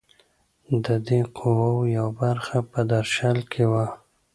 د دې قواوو یوه برخه په درشل کې وه.